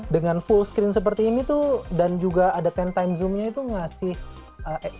dengan full screen seperti ini tuh dan juga ada sepuluh x zoomnya itu ngasih user experience yang sangat bagus